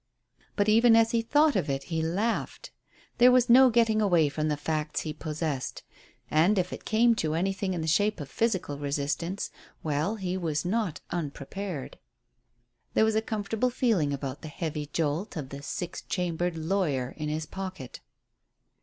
But even as he thought of it he laughed. There was no getting away from the facts he possessed, and if it came to anything in the shape of physical resistance, well, he was not unprepared. There was a comfortable feeling about the heavy jolt of the six chambered "lawyer" in his pocket.